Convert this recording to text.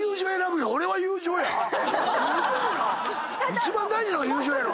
一番大事なのが友情やろ！